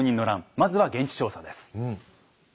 まずは現地調査です。